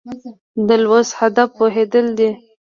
د لوست هدف پوهېدل دي.